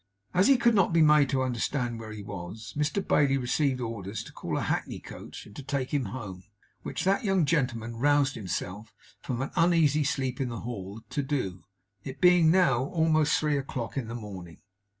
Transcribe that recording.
As he could not be made to understand where he was, Mr Bailey received orders to call a hackney coach, and take him home; which that young gentleman roused himself from an uneasy sleep in the hall to do. It being now almost three o'clock in the morning.